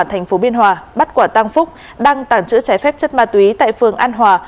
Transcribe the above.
thành phố biên hòa bắt quả tăng phúc đăng tản chữ trái phép chất ma túy tại phường an hòa